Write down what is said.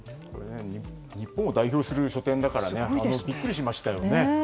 日本を代表する書店だからビックリしましたよね。